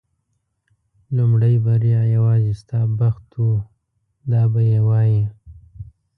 لومړۍ بریا یوازې ستا بخت و دا به یې وایي.